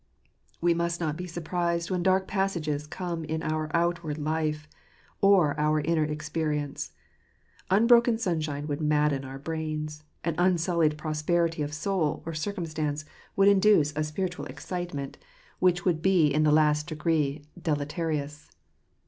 We must not be surprised when dark passages come in our outward life, or our inner experience. Unbroken sun shine would madden our brains; and unsullied prosperity of soul or circumstance would induce a spiritual excitement, 44 9bt garkaontc (Blest." 6 3 which would be in the last degree deleterious.